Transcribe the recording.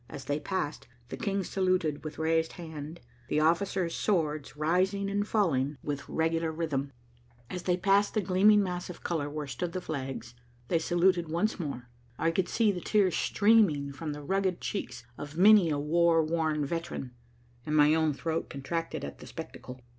As they passed, the King saluted with raised hand, the officers' swords rising and falling with regular rhythm. As they passed the gleaming mass of color where stood the flags, they saluted once more. I could see the tears streaming from the rugged cheeks of many a war worn veteran, and my own throat contracted at the spectacle.